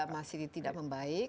masih tidak membaik